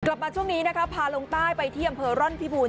กลับมาช่วงนี้นะคะพาลงใต้ไปที่อำเภอร่อนพิบูรณ